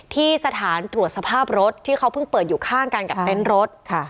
ที่สถานตรวจสภาพรถที่เขาเพิ่งเปิดอยู่ข้างกันกับเต็นต์รถ